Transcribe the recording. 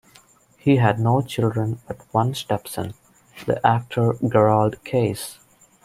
He had no children but one stepson, the actor Gerald Case.